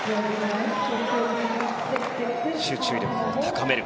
集中力を高める。